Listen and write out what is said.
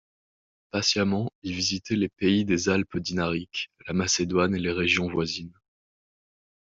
Patiemment, il visitait les pays des Alpes dinariques, la Macédoine et les régions voisines.